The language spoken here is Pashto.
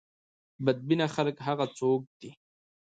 بد بینه خلک هغه څوک دي.